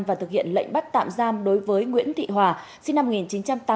và thực hiện lệnh bắt tạm giam đối với nguyễn thị hòa sinh năm một nghìn chín trăm tám mươi tám